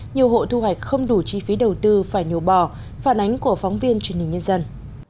nhiều hộ thu hoạch không đủ chi phí đầu tư phải nhổ bỏ phản ánh của phóng viên truyền hình nhân dân